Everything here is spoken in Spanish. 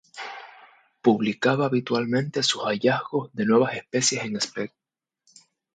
Publicaba habitualmente sus hallazgos de nuevas especies en: "Spec.